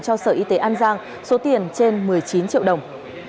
cho sở y tế an giang số tiền trên một mươi chín triệu đồng